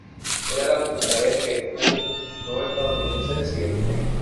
Era la primera vez que un no estadounidense recibía el premio.